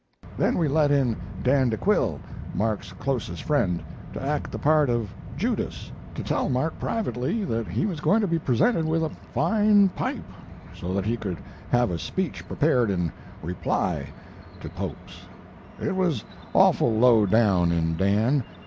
"Then we let in Dan de Quille, Mark's closest friend, to act the part of Judas to tell Mark privately that he, was going to be presented with a fine pipe, so that he could have a speech prepared in reply to Pope's. It was awful low down in Dan.